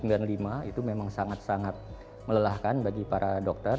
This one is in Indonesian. itu memang sangat sangat melelahkan bagi para dokter